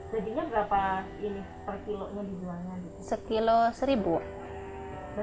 jadinya berapa ini per kilonya dijualnya